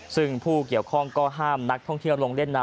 ซึ่งผู้เกี่ยวข้องก็ห้ามนักท่องเที่ยวลงเล่นน้ำ